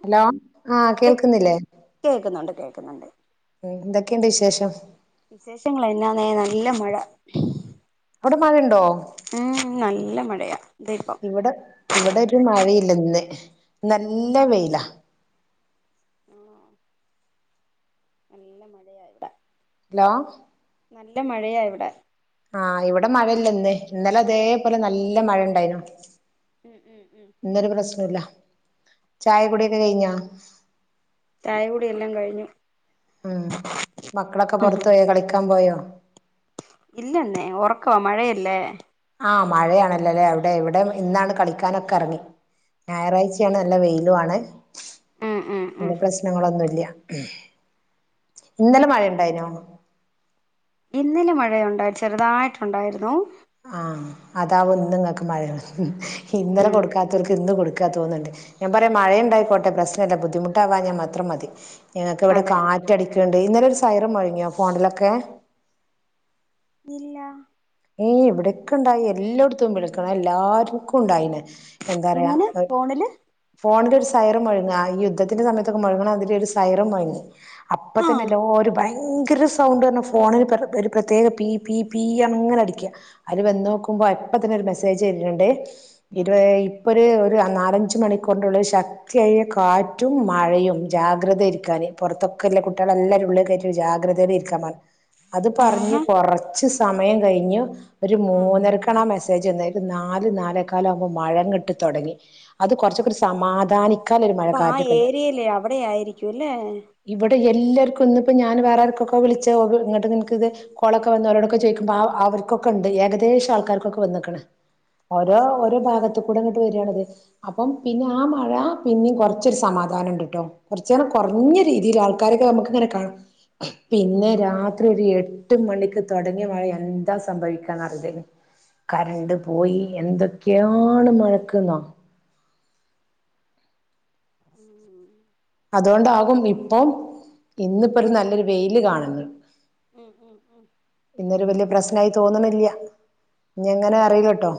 Hello ആ കേ കേൾക്കുന്നില്ലേ കേക്കുന്നുണ്ട് കേക്കുന്നുണ്ട് മ് എന്തെക് ക്കെ എന്ത് വിശേഷം വിശേഷങ്ങൾ എന്നാന്നെ നല്ല മഴ അവ്ടെ മഴ ഇണ്ടോ ഉം നല്ല മഴയാ ദേ ഇപ്പം ഇവ്ടെ ഇവ്ടെ ഒര് മഴെ ല്ല ഇന്ന് ഇന്ന് നല്ല വെയിലാ ആഹ് നല്ല മഴയാ ഇവിടെ ഹലോ നല്ല മഴയാ ഇവിടെ ആ ഇവിടെ മഴ ഇല്ല ഇന്ന് ഇന്നലെ ഇതെ പോലെ നല്ല മഴ ഇണ്ടായിനു ഉം ഉം ഉം ഇന്നൊര് പ്രശ്നു ഇല്ല ചായ കുടി ഒക്കെ കഴിഞ്ഞോ ചായ കുടിയെല്ലാം കഴിഞ്ഞു ഉം മക്കളൊക്കെ പൊർത്ത് പോയോ കളിക്കാ ക്കാം പോയോ? ഇല്ലന്നെ ഒറക്കവാ മഴയല്ലെ ആ മഴയാണല്ലോ ലെ ടെ ഇവടെ ഇന്നാണ് ഉം കളിക്കാനൊക്കെ അറങ്ങി ഞായറാഴ്ച്ചയാണ് നല്ല വെയിലും ആണ് ഉം ഉം ഇന്ന് പ്രശ്നങ്ങളൊന്നും ഇല്ലാ ഇന്നലെ മഴ ഇണ്ടായിനോ? ഇന്നലെ മഴയുണ്ടാ, ചെറുതായിട്ടുണ്ടായിരുന്നു. ആഹ് അതാവും ഇന്ന് ഇങ്ങക്ക് മഴ. ഇന്നലെ ഉം കൊടുക്കാത്തവർക്ക് ഇന്ന് കൊടു ക്കാ തോന്ന്ണ്ട്. ഞാൻ പറയാ മഴണ്ടായികോട്ടെ. പ്രശ്നവില്ല ബുദ്ധിമുട്ടാവാഞാ മാത്രം മതി. ഞങ്ങക്ക് ഇവിടെ അതെ കാറ്റടിക്ക്ണ്ട്. ഇന്നലൊരു സൈറം മൊഴങ്ങിയൊ ഫോണിലൊക്കെ? ഇല്ല ങേ ഇവിടക്കെണ്ടായി. എല്ലോട്ത്തും വിളിക്കണ എല്ലാർക്കും ഉണ്ടായിന്. എങ്ങനെ? ഫോണില് ഫോണിലൊര് സൈറം മൊഴങ്ങാ. ഈ യുദ്ധത്തിന്റെ സമയത്തൊക്കെ മൊഴങ്ങണ മാതിരി ഒരു സൈറം മുഴങ്ങി. അപ്പ ആഹ് തന്നെയല്ലാരും ഭൈ യങ്കര സൗണ്ട് പറഞ്ഞാ ഫോണിന് പെർ ഒരു പ്രത്യേക പി പി പീ അർന് ഇങ്ങന ടിക്യാ. അര് വന്ന് നോക്കുമ്പോ അപ്പ തന്നെരു മെസ്സേജ് വരുണുണ്ട് ഇരുവയ് ഒരു ഒരു നാലഞ്ച് മണിക്കൂറിനുള്ളിൽ ശക്തിയായ കാറ്റും മഴയും ജാഗ്രത ഇരിക്കാന് പൊറത്തൊക്കെല്ല കുട്ടികളെല്ലാരരും ഉള്ളേ കയറ്റി ജാഗ്രതേയുടെ ഇരിക്കാൻ പറഞ്ഞ് അത് പറഞ്ഞ് ആഹാ കൊറച്ച് സമ സമയം കഴിഞ്ഞു ഒരു ആഹ് മൂന്നരക്കാണ മെസ് നാല് നാലേക്കാലം ആമ്പോ മഴയങ്ങട്ട് തോടങ്ങി അത് കുറച്ചൊക്കെ അയ്യോ സമാധാനിക്കൽ ഒരു മഴ അപ്പൊ ആ കാറ്റൊക്കെ ഉണ്ട് ഏരിയയിലെ അവിടെ ആയിരിക്കും അല്ലേ ഇവിടെ എല്ലർ ഇന്നിപ്പം ഞാൻ വേറാർ കേകോ വിളിച്ച കോ ഇങ്ങോട്ട് എനിക്കിത് കേളോക്കെ വന്നവരോടെകെ ചോയിക്കുമ്പം ആ അവർ കൊക്കെണ്ട് ഏഗദേശ ആൾകാർകൊക്കെ വന്ന്ക്ണ് ഓരോ ഉം ഉം ഒര് ഭാഗത്ത്‌കുടി ഇങ്ങ്ട്ട് വരണിത് അപം പിന്ന ആ മഴ പിന്നിം കോർച്ചൊരു സമാധാനണ്ട്ട്ടൊ കൊറ്ചേരം കൊറഞ്ഞ രീതിയില് ആൾക്കാരൊക്കെ ഞമക്ക് ഇങ്ങന കാണും ഉം ഉം പിന്ന രാത്രി ഒര് എ ട്ട് മണിക്ക് തൊടങ്ങി മഴ ആണ് ന്ത സംഭവിക്കാന്ന് റീലലൊ കറന്റ് പോയി എന്തൊക്കാണ് മഴക്ക്ന്നോ ഉം അതോണ്ടാകും ഇപ്പൊ ഇന്ന് ഉം പൊരു നല്ലൊരു വെയി ന്ന് കാണ്ന്ന് ഉം ഉം ഉം എന്തൊരു വല്യ പ്രശ്‌നായി തോന്ന്ന്നില്ല ഞ്ഞി എങ്ങനെ അറീല ട്ടൊ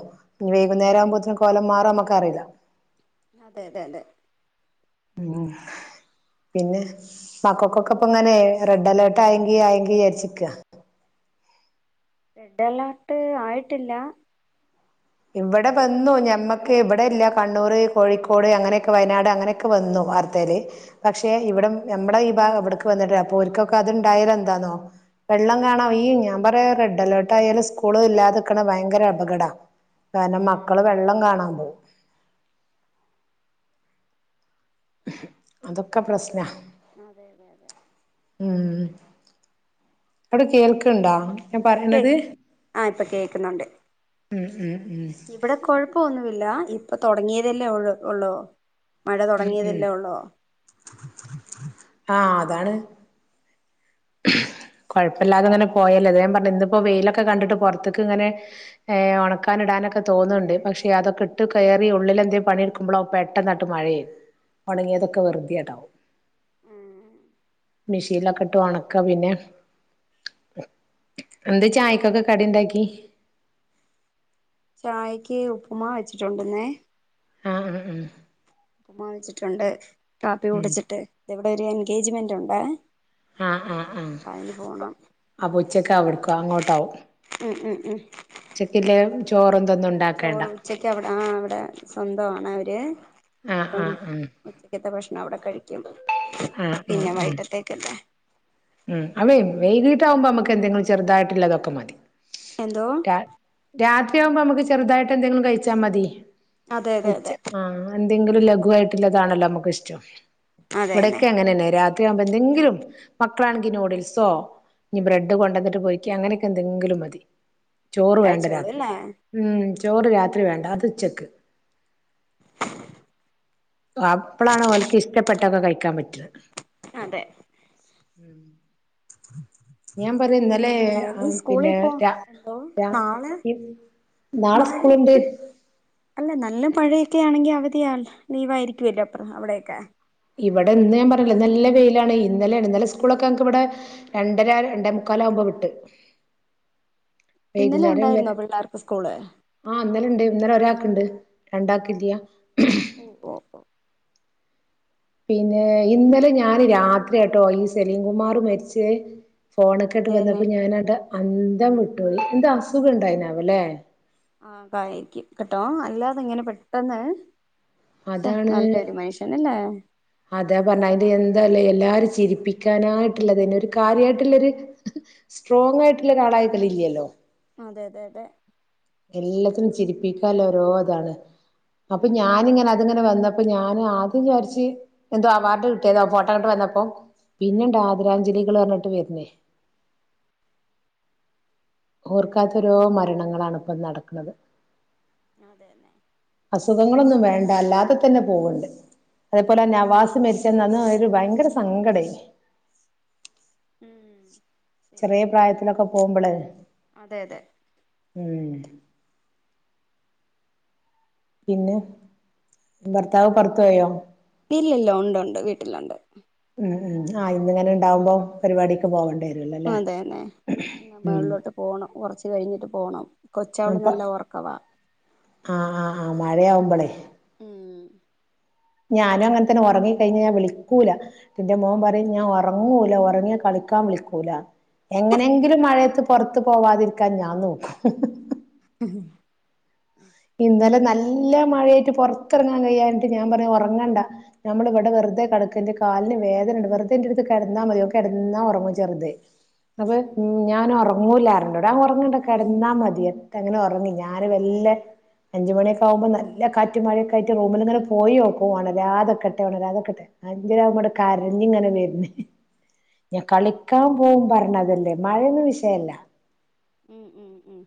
വൈകുന്നേര വുമ്പത്തിന് കോലം മാറോ മക്കറീല അതെതെതെ ഉം പിന്നെ മകക്കൊപ്പ്ങ്ങനെ റെഡ്‌ അലർട്ടായെങ്കി ആയെങ്കി വിചാരിച് നിക്ക റെഡ് അലർട്ട് ആയിട്ടില്ല ഇവ്ടെപ്പന്നും ഞമ്മക് ഇവ്ടെ ഇല്ല കണ്ണൂറ്, കോഴിക്കോട്, അങ്ങനൊക്കെ വയനാട് അങ്ങനൊക്കെ വന്നു. വാർത്തേല്. പക്ഷേ ഇവ്ടം ഞമ്മ്ടെ ഈ ഭാഗം ഇവ്ട്ക്ക് വന്നിട്ടില്ല അപ്പൊ ഓല് കൊക്കെ അത്ണ്ടായാലെന്താന്നൊ. വെള്ളം കാണാൻ ഞാ പറയ റെഡ് അലർട്ടായാല് സ്കൂൾ ഇല്ലാതിരിക്ക്ണെ ഭയങ്കര അപകട കാരണം ഉം മക്കള് വെള്ളം കാണാ പോവും അതൊക്കെ പ്രശ്നാ അതെതെതെ ഉം ഞാൻ പെ പറയണത് ആഹ് ഇപ കേക്ക്ന്ന്ണ്ട് ഇപ തുടങ്ങിയതല്ലേ ഉള്ളു ഉള്ളു മഴ ഉം ഉം തൊടങ്ങിയതല്ലെ ഉള്ളൂ ആഹ് അതാണ് കൊയപ്പല്ലാതങ്ങനെ പോയാല്ലെ അതാ ഞാ പറഞ്ഞെ ഇന്ന്പൊ വെയിലൊക്കെ കണ്ട്ട്ട് പൊറത്ത്ക്ക്ങ്ങനെ ഏഹ് ണക്കാനിടാനൊക്കെ തോന്ന്ണ്ട് പക്ഷേ അതൊക്കെ ഇട്ട് കേറി ഉള്ളിലെന്തെ പണിയ്ട്കുമ്പൊളാവും പെട്ടന്ന്ങ്ങ്ട്ട് മഴേം ഒണങ്ങിയതൊകെ വെറുതെണ്ടാവും മിഷീനിലൊക്കെ ഇട്ട് ഒണക്കി ക്കെ പിന്നെ എന്തെ ചായകൊക്കെ കടിണ്ടാക്കി ചായക്കീ ഉപ് മാ വെച്ചിണ്ടെന്നേ ആഹ് അ ആ ഉപ്മാ വെചിട്ടൊണ്ട് കാപ്പി ഉം കുടിച്ചിട്ട് എവ്ടെ വര് ആന് കെ ജി മെന്റുണ്ടേ ആഹ് ആഹ് ആഹ് അപൊ ഉച്ചക് അവ്ട്ക് അങ്ങോട്ടാവും ഉം ഉം ഉച്ചക്കില്ലേ ചോറും ഇതൊന്നും ഉണ്ടാക്കേണ്ട ചോറും ഉച്ചക് എവ്ടാ ആഹ് അവ്ടെ സ്വന്തം ആണോ അവര് ആഹ് പ്പം ആഹ് ആഹ് ഉച്ചക്കെത്തെ ഭഷ്ണം അവ്ടെ കഴിക്കും ആഹ് ആഹ് പിന്നെ ആഹ് വൈട്ടത്തേക്കല്ലേ ഉം അവേ വൈകീട്ടാവുമ്പോ നമ്മക്ക് എന്തെങ്കിലും ചെറുതായിട്ട്ള്ളതൊക്കെ മതി എന്തോ തി ആവുമ്പോ നമുക്ക് ചെറുതായിട്ട് എന്തെങ്കിലും കഴിച്ചാ മതി അതെ അതെ ഉച്ച അതെ ആ എന്തെങ്കിലും ലഘുവായിട്ടുള്ളതാണല്ലോ നമ്മക്ക് ഇഷ്ടം അതെന്നെ ഇവിടൊക്കെ അങ്ങനെന്നെ രാ ത്രി ആകുമ്പോ എന്തെങ്കിലും മക്കളാണെങ്കിൽ നൂഡിൽസോ ഇനി ബ്രെഡ് കൊണ്ടന്നിട്ട് പോയി ക്ക് അങ്ങനെയൊക്കെ എന്തെങ്കിലും മതി ചോറ് വേണ്ട കഴിച്ചോളൂ രാത്രി അല്ലേ ഉം ചോറ് രാത്രി വേണ്ട അത് ഉച്ചക്ക് അപ്പളാണ് ഓല്ക്ക് ഇഷ്ട്ടപ്പെ ട്ടൊക്കെ കഴിക്കാൻ പറ്റും അതെ ഉം ഞാൻ പറയാ ഇന്നല്ലെ പിന്നെ നീ പിന്നെ സ്കൂളിൽ പോ രാ എന്തോ രാ നാളെ നാളെ മഴ സ്കൂളുണ്ട് ഒത്തിരി അല്ല നല്ല മഴയൊക്കെ ആണെങ്കി അവധിയാ ലീവ് ആയിരിക്കുവല്ലോ അപ്പറം അവിടെയൊക്കെ ഇവിടെ ഇന്ന് ഞാൻ പറഞ്ഞ്ല്ലേ നല്ല വെയിലാണ് ഇന്നലെയാണ് ഇന്നലെ സ്കൂളൊക്കെ നങ്ങക്ക് ഇവിടെ രണ്ടര രണ്ടേ മുക്കാല് ആകുമ്പോ വിട്ട് ഇന്നലെ വൈകുന്നേരം ഉണ്ടായിരുന്നോ വരെ പിള്ളേർക്ക് സ്കൂള് ആ ഇന്നലെ ഉണ്ട് ഇന്നലെ ഒരാ ഒണ്ട് രണ്ടാക്കില്ല്യാ ഓ ഓ ഓ പിന്നെ ഇന്നലെ ഞാന് രാത്രിയാട്ടോ ഈ സലീംകുമാർ മരിച്ചേ ഫോണ്ക്കാട്ട് അതെന്നെ വന്നപ്പോ ഞാനാണ്ട് അ ന്തം വിട്ടോയി ന്തോ ആസ് സുഖ ഉണ്ടായിണാവല്ലേ ആ കായിരിക്കും കേട്ടോ അല്ലാതെ ഇങ്ങനെ പെട്ടെന്ന് ശ്ശെ അതാണ് നല്ലൊരു മനുഷ്യനല്ലേ അതാ പറഞ്ഞെ അതിന്റെ എന്താല്ലേ എല്ലാരും ചിരിപ്പിക്കാനായിട്ടുള്ളതന്നെ ഒരു കാര്യായിട്ടുള്ളൊരു സ്ട്രോങ്ങായിട്ടുള്ള ഒരാളായി ഇതിലില്ലോ അതെ അതെ അതെ എല്ലാത്തിനും ചിരിപ്പിക്കാല്ല ഓരോ ഇതാണ് അപ്പൊ ഉം ഞാനിങ്ങനെ അതിങ്ങനെ വന്ന അപ്പം ഞാന് ആദ്യം വിചാരിച്ചു എന്തോ അവാർഡ് കിട്ടിയതാണ് ആ ഫോട്ടോ ഇങ്ങോട്ട് വന്നപ്പൊ ഉം പിന്നേണ്ട് ആദരാജ്ഞലി കള് പറഞ്ഞിട്ട് വരുന്നെ ഓർക്കാത്തോരോ മരണങ്ങളാണ് ഇപ്പം നടക്കണത് അതന്നെ അസുഖങ്ങളൊന്നും വരണ്ട അല്ലാതെ തന്നെ പോകുണ്ട് അതുപോലെ ആ നവാസ് മരിച്ചന്ന് അന്ന് ഒരു ഭയങ്കര സങ്കടായി ഉം ചെറിയ ശരിയാ പ്രായത്തിലൊക്കെ പോകുമ്പളെ അതെ അതെ ഉം പിന്നെ ഭർത്താവ് പുറത്തുപോയോ ഇല്ലില്ല ഒണ്ട് ഒണ്ട് വീട്ടിലൊണ്ട് ഉം ഉം അ ഇന്നിങ്ങനെ ഉണ്ടാവുമ്പോ പരിപാടിക്ക് പോകണം അതെന്നെ ഇനി മേളിലോട്ട് പോണം കുറച്ച് കഴിഞ്ഞിട്ട് പോണം കൊച്ചവള് അപ്പൊ നല്ല ഒറക്കവാ മഴയാകുമ്പളെ ഉം ഞാനും അങ്ങനെ തന്നെ ഉറങ്ങിക്കഴിഞ്ഞുകഴിഞ്ഞാൽ വിളിക്കൂല്ല എന്റെ മോൻ പറയും ഞാൻ ഉറങ്ങൂല ഉറങ്ങിയാൽ കളിക്കാൻ വിളിക്കുല്ലാന്ന് എങ്ങനെയെങ്കിലും മഴയത്ത് പുറത്തു പോകാതിരിക്കാൻ ഞാൻ നോക്കും. ഉം ഇന്നലെ നൽ ല്ല മഴയത്ത് പുറത്തിറങ്ങാൻ കഴിയാഞ്ഞിട്ട് ഞാൻ പറഞ്ഞു ഉറങ്ങണ്ട നമ്മളിവിടെ വെറുതെ കിടക്ക് എന്റെ കാലിന് വേദനുണ്ട് വെറുതെ എന്റെടുത്ത് കിടന്നാമതി ഓൻ കിടന്നാ ഉറങ്ങും ചെറുത്‌ അത് ഞാനുറങ്ങൂല്ലാരുന്നു [unintelligible] കിടന്നാ മതി എത് അങ്ങനെ ഉറങ്ങും ഞാന് വെല്ലെ അഞ്ചുമണിയൊക്കെ ആകുമ്പോ നല്ല കാറ്റും മഴയൊക്കെ ആയിട്ട് റൂമിലിങ്ങനെ പോയി നോക്കും ഉണരാതിക്കട്ടെ ഉണരാതിക്കട്ടെ അഞ്ചരയാകുമ്പോ ഇങ്ങട്ട് കരഞ്ഞിങ്ങനെ വരുന്നെ ഞാൻ കളിക്കാൻ പോകും പറഞ്ഞതല്ലേ മഴയൊന്നും വിഷയല്ല ഉം ഉം ഉം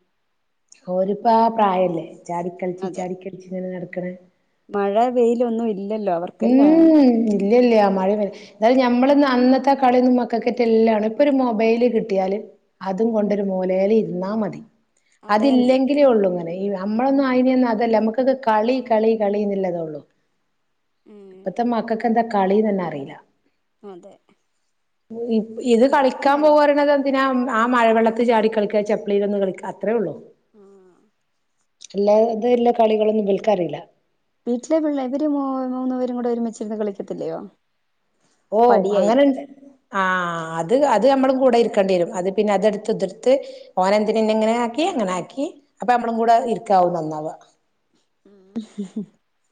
ഓരിപ്പോ ആ പ്രായല്ലേ ചാടിക്കളിച്ച് അതെ ചാടിക്കളിച്ച് ഇങ്ങനെ നടക്കണെ മഴ വെയിലൊന്നുവില്ലല്ലോ അവർക്ക് ഉം ഇല്ലില്ല മഴ എന്താലും ഞമ്മളെ ഒന്നും അന്നത്തെ കളിഒന്നും മക്കക്കാറ്റെല്ലാണ് ഇപ്പൊ ഒരു മുബൈൽ കിട്ടിയാല് അതും കൊണ്ട് ഒരു മൂലേല് ഇരുന്നാ മതി അതെന്നെ അതില്ലെങ്കിലേ ഉള്ളൂ ഇങ്ങനെ ഈ നമ്മളൊന്നും അയിനെ അതല്ല നമ്മക്കത് കളി കളി ഇന്ന് ഇള്ളതുള്ളൂ. പ്പത്തെ ഉം മക്കക്കെന്താ കളിന്നെന്നെ അറീല അതേ ഗെയിം ഇത് കളിക്കാം പോവ്അ അറിണത് എന്തിനാ മ് ആ മഴവെള്ളത്ത് ചാടി കളിക്ക്അ ചപ്പിളിലൊന്ന് കളിക്ക്അ അത് ത്രേ ഒള്ളു ആ ഇല്ലാ ഇത് ഇള്ള കളികളൊന്നും ഇബൽക്കറീല വീട്ടിലെ പിള്ള ഇവര് മൂന്നു പേരും കൂടെ ഒരുമിച്ചിരുന്ന് കളിക്കത്തില്ലയോ അപ്പൊ ഓഹ് അടിയായിരിക്കും അങ്ങനെണ്ട് ആഹ് ത് അത് നമ്മളും കൂടെ ഇരിക്കേണ്ടി വരും അത് പിന്നെ അതെടുത്ത് ഇതെടുത്ത് ഓനെന്തിതിനെ എങ്ങനെ ആക്കി അങ്ങനെ ആക്കി അപ്പൊ നമ്മളും കൂടെ ഇരിക്കാവും നന്നാവ ഉം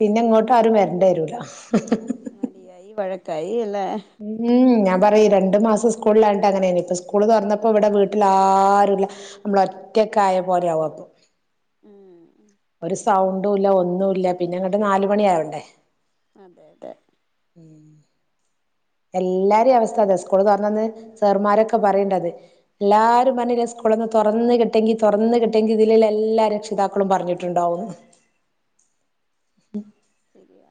പിന്നെ ങ്ങോട്ട് ആരു വര് രണ്ടായി [unintelligible] അടിയായി വഴക്കായി അല്ലേ ഉം ഞ ത പഈ രണ്ടു മാസം സ്കൂളിലായിട്ട് അങ്ങനെ ഇപ്പ സ്കൂള് തുറന്നപ്പോ ഇവിടെ വീട്ടിൽ ആരുല്ല നമ്മള ഒറ്റൊക്കെ ആയ പോലെ ആവും അപ്പൊ ഉം ഒരു സൗണ്ടും ഇല്ല ഒന്നുമല്ല പിന്നെ അങ്ങട്ട് നാലുമണി ആവണ്ടേ അതെ അതെ ഉം എല്ലാരും അവസ്ഥ അതെ സ്കൂള് തൊർന്നന്ന് സാർമാരൊക്കെ പറയ്ണ്ടത് എല്ലാരും പർഞ്ഞിഞേ സ്കൂളന്ന് തുറന്ന് കിട്ടെങ്കി തുറന്ന് കിട്ടെങ്കി ഇതില്ള്ള എല്ലാ രക്ഷിതാക്കളും പറഞ്ഞിട്ടുണ്ടാവു ഉം ശരിയാ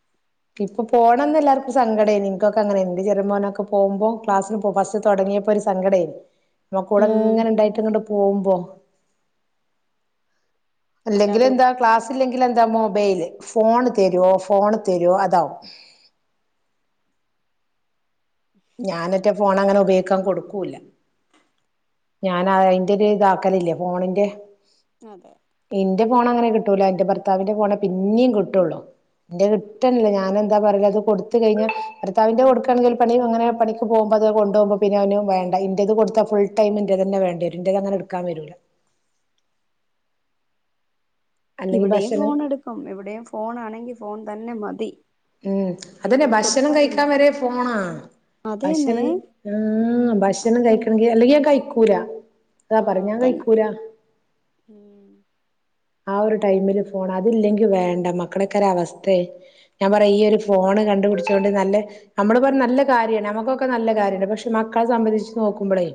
ഇപ്പൊ പോകണംന്ന് എല്ലാർക്കും സങ്കടമായി നിനൊക്കെ അങ്ങനെ ഉണ്ട് ചെറുമ മോനൊക്കെ പോകുമ്പോ ക്ലാസ്സിന് പോ പസ്റ്റ് തുടങ്ങിയപ്പോൊ ഒരു സങ്കടായിരുന്നു നമ്കൂടെ ഉം എങ്ങനെ ഉണ്ടായിട്ട്ങ്ങണ്ട്- പോവുമ്പോ അല്ലെങ്കില് ഇല്ലാതെ എന്താ ക്ലാസ്സില്ലെങ്കിൽ എന്താ മോ- ബൈല് ഫോൺ തരുവോ ഫോൺ തരുവോ അതാവും ഞാനറ്റ ഫോൺ അങ്ങനെ ഉപയോഗിക്കാൻ കൊടുക്കൂല്ല ഞാൻ അയിന്റെ ഒരു ഇതാക്കലില്ലേ ഫോണിന്റെ അതെ ന്റെ പോണങ്ങനെ കിട്ടൂല എന്റെ ഭർത്താവിന്റെ ഫോണേ പിന്നേം കിട്ടുള്ളൂ എന്റെ ഉം ഉം കിട്ടണില്ല ഞാൻ എന്താ പറണത് കൊടുത്ത കഴിഞ്ഞു ഭർത്താവിന്റെ കൊടുക്കയാണെങ്കിൽ പണി പ്പ അങ്ങനെ പണിക്ക് പോവുമ്പോ അത് കൊണ്ടു പോവുമ്പോ പിന്നെ അവന് വേണ്ട ഇന്റത് കൊടുത്ത ഫുൾ ടൈം ഇന്റതന്നെ വേണ്ടരും ഇന്റേത് അങ്ങനെ എടുക്കാൻ വരൂല അല്ലെങ്കി ഇവിടെയും ഭക്ഷണം ഫോൺ എടുക്കും ഇവിടെയും ഫോൺാണെങ്കിൽ ഫോൺ തന്നെ മതി ഉം പിന്നെ അതന്നെ ഞാൻ ഭക്ഷണം കൊടുക്കാറില്ല കഴിക്കാൻ വരെ ഫോണാ അതന്നെ ഭക്ഷണം ഉം അത് ഭക്ഷണം തന്നെ കഴിക്കണെങ്കി അല്ലെങ്ക ഞാൻ കഴിക്കും പുരാ ആഹ് തന്നെ ഉം ആ ഒരു ടൈമില് ഫോൺ അതില്ലെങ്കി വേണ്ട മക്കടെക്കെര് അവസ്ഥേ ഞാൻ പറയീ അതെ ഒരു ഫോണ് കണ്ടുപിടിച്ച- ട്ടോണ്ട് നല്ല നമ്മള് പറഞ്ഞ നല്ല കാര്യാണ് നമ്മുക്കൊക്കെ നല്ല കാര്യണ്ട് പക്ഷെ മക്കളെ സംബന്ധിച്ച് നോക്കുമ്പോളേ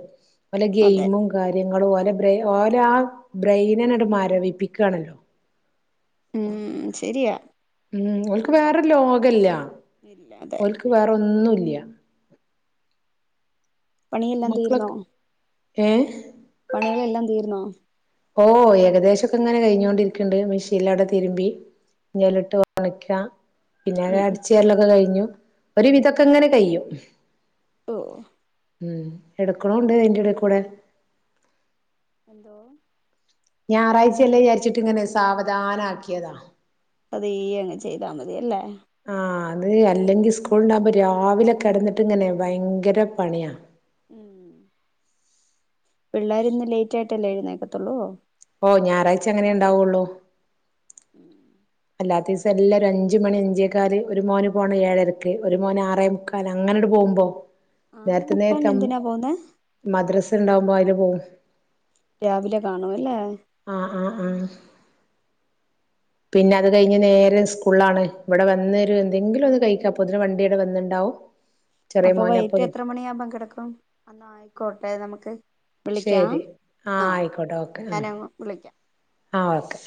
വല്ല അതെ ഗെയിമും കാര്യം ഇങ്ങട് ഓലെ ബ്രെയിൻ ഓലാ ബ്രയിനങ്ങട് മരവിപ്പിക്- കാണല്ലോ മം ശരിയാ മം ഓൾക്ക് വേറൊരു ലോകയില്ല ഇല്ല അതെ ഓൾക്ക് വേറൊന്നും ഇല്ല [unintelligible] പണിയെല്ലാം തീർന്നോ ങേ പണികളെല്ലാം തീർന്നോ ഓ ഏകദേശം ഒക്കെ ഇങ്ങനെ കഴിഞ്ഞോണ്ടിരിക്കണ്ട് മെഷീലാടെ തിരുമ്മി ഇനി അതിലിട്ട് ഒണക്ക ഉം പിന്നെ ആകെ ഉം ഉം അടിച്ചു വാരലൊക്കെ കഴിഞ്ഞു ഒരു വിതൊക്ക ഇങ്ങനെ കഴിയും ഓഹ് മം എടുക്കാനൊണ്ട് അതിന്റിടയിൽ കൂടെ എന്തോ ഞായറാഴ്ച അല്ലെ വിചാരിച്ചിട്ട് ഇങ്ങനെ സാവധാനം ആക്കിയതാ അതെ ഈ അങ്ങ് ചെയ്തമതി അല്ലെ ആഹ് അത് അല്ലെങ്കിൽ സ്കൂൾ ഇണ്ടാവുമ്പോ രാവിലെ കിടന്നിട്ടിങ്ങനെ ഭയങ്കര പണിയ മം പിള്ളാരിന്ന് ലേറ്റ് ആയിട്ടല്ലേ എഴുനേക്കാത്തൊള്ളൂ ഓ ഞായറാഴ്ച അങ്ങനെ ഇണ്ടാവുള്ളു ഉം എല്ലാ ദിവസം എല്ലാരും അഞ്ചുമണി അഞ്ചേകാല് ഒരു മോന് പോണത് ഏഴരക്ക് ഒരുമോന് ആറെമുക്കാല് അങ്ങനട് പോകുമ്പോ ആറേ നേരത്തെ നേരത്തെ മുക്കാലിന് അം എന്തിനാ പോകുന്നെ മദ്രസ ഇണ്ടാകുമ്പോ അതിന് പോകും രാവിലെ കാണും ഇല്ലേ പിന്നത് കഴിഞ്ഞു നേരെ സ്കൂ ഫുള്ളാണ്. ഇവിടെ വന്നേരും എന്തെങ്കിലും ഒന്ന് കഴിക്കാ അപ്പോത്തിനും വണ്ടി ടെ വന്നുണ്ടാവും. അപ്പൊ വൈകിട്ട് എത്ര മണിയാകുമ്പോ കിടക്കും? അന്നായിക്കോട്ടെ നമുക്ക് വിളിക്കാം ശരി ആ ആയിക്കോട്ടെ. ഓക്കേ ഞാനങ്ങ് വിളിക്കാം. ആഹ് ഓക്കേ.